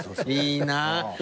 いいなあ。